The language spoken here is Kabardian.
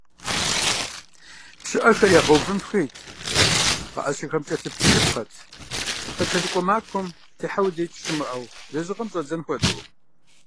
ПщыӀэхэр ягъэувын хуейт, пхъэӀэщэхэм кӀэлъыплъыжыпхъэт, къыкӀэлъыкӀуэ махуэм техьэулеикӀ щымыӀэу лэжьыгъэм щӀадзэн хуэдэу.